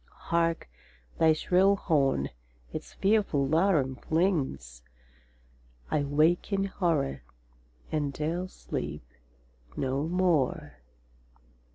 Hark, thy shrill horn its fearful laram flings! —I wake in horror, and 'dare sleep no more!